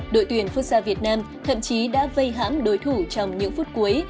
đội tuyển futsa việt nam thậm chí đã vây hãng đối thủ trong những phút cuối